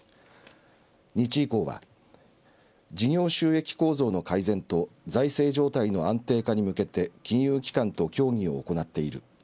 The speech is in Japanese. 日医工は事業収益構造の改善と財政状態の安定化に向けて金融機関と協議を行っている。